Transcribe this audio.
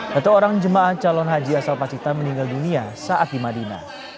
satu orang jemaah calon haji asal pacitan meninggal dunia saat di madinah